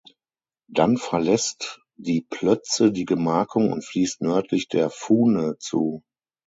Dann verlässt die Plötze die Gemarkung und fließt nördlich der Fuhne zu.